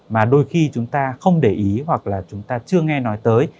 mà đôi khi chúng ta không để ý hoặc là chúng ta chưa nghe nói tới